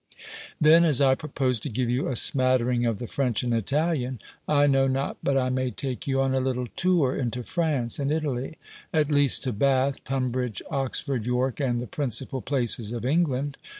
"Then, as I propose to give you a smattering of the French and Italian, I know not but I may take you on a little tour into France and Italy; at least, to Bath, Tunbridge, Oxford, York, and the principal places of England.